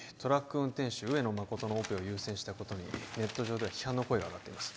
運転手上野誠のオペを優先したことにネット上では批判の声が上がっています